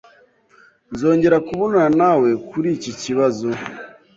Nzongera kubonana nawe kuri iki kibazo.